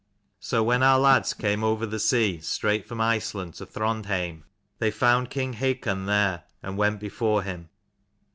So when our lads came over the sea straight from Iceland to Throndheim, they found king Hakon there, and went before him.